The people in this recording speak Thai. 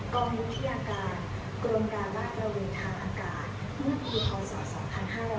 กรมยุทธิอาการกรมการวาดประวิทย์ทางอากาศ